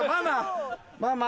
ママ。